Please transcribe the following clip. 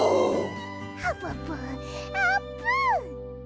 あぷぷあーぷん！